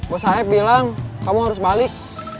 bos saya bilang kamu harus balik